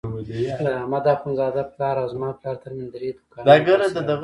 د احمد اخوندزاده پلار او زما پلار ترمنځ درې دوکانه فاصله وه.